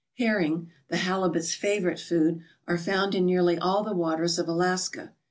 Herring, the halibut's favourite food, are found in nearly all the waters of Alaska.